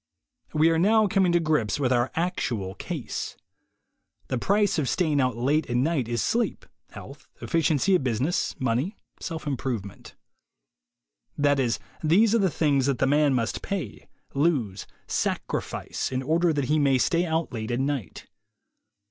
$Ve are now coming to grips with our actual case. The price of staying out late at night is sleepy health, efficiency at business, money, self improvement. That is, these are the things that the man must pay, lose, sacrifice, in order that he may stay out late at night.